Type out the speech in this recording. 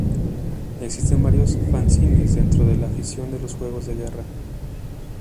Existen varios fanzines dentro de la afición de los juegos de guerra.